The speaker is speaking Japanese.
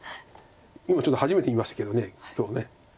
今ちょっと初めて見ましたけど今日。